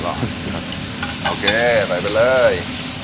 โอเคใส่ไปเลย